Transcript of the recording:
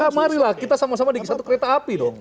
maka mari lah kita sama sama di satu kereta api dong